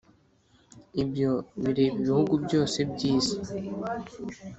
Ibyo bireba ibihugu byose by'isi.